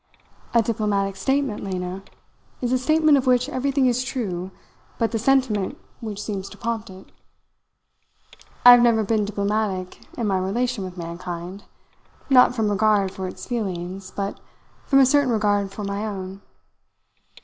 "A diplomatic statement, Lena, is a statement of which everything is true, but the sentiment which seems to prompt it. I have never been diplomatic in my relation with mankind not from regard for its feelings, but from a certain regard for my own.